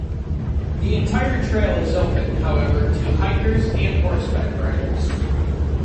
The entire trail is open, however, to hikers and horseback riders.